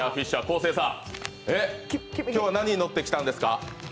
生さん、今日は何に乗って来たんですか？